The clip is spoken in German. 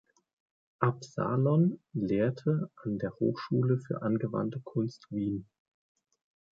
Absalon lehrte an der Hochschule für Angewandte Kunst Wien.